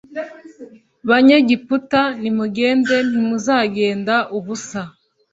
banyegiputa nimugenda ntimuzagenda ubusa